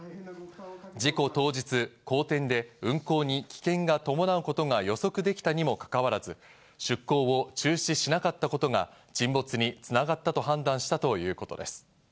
事故当日、荒天で運航に危険が伴うことが予測できたにもかかわらず、出航を中止しなかったことが沈没に繋がったと判断したということです。